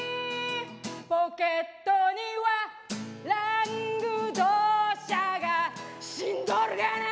「ポケットにはラングドシャが死んどるがな」